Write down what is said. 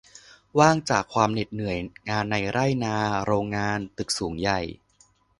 ว่างจากความเหน็ดเหนื่อยงานในไร่นา โรงงาน ตึกสูงใหญ่